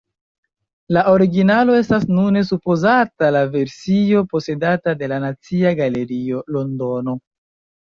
La originalo estas nune supozata la versio posedata de la Nacia Galerio, Londono.